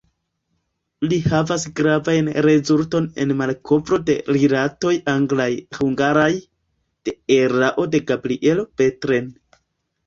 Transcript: Li havas gravajn rezultojn en malkovro de rilatoj anglaj-hungaraj, de erao de Gabrielo Bethlen.